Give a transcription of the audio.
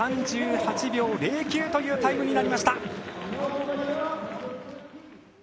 ３８秒０９というタイムになりました。